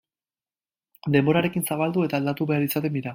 Denborarekin zabaldu, eta aldatu behar izaten dira.